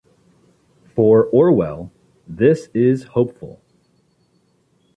For Orwell, this is hopeful.